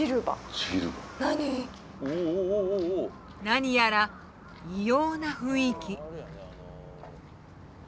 何やら異様な雰囲気。